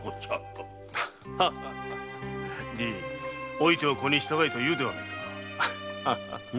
「老いては子に従え」と言うではないか。